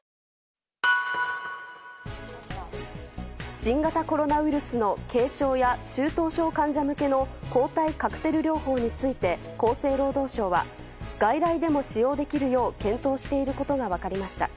新型コロナウイルスの軽症や中等症患者向けの抗体カクテル療法について厚生労働省は外来でも使用できるよう検討していることが分かりました。